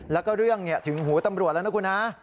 แล้วก็เรื่องถึงหูตำรวจแล้วนะคุณฮะ